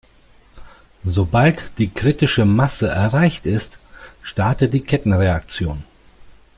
Sobald die kritische Masse erreicht ist, startet die Kettenreaktion.